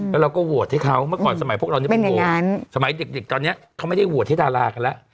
แล้วเราก็โหวตให้เขาเมื่อก่อนสมัยพวกเรานี่เป็นโหวตสมัยเด็กตอนนี้เขาไม่ได้โหวตให้ดารากันแล้ว